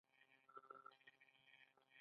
احمد داسې تار و نار شوی دی چې پر لاره نه شي تلای.